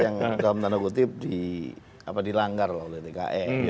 yang kamu tanda kutip dilanggar oleh tki